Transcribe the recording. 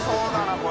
これ。